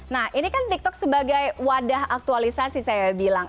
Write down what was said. nah ini kan tiktok sebagai wadah aktualisasi saya bilang